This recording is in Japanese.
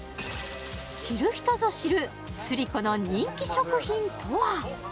知る人ぞ知るスリコの人気食品とは？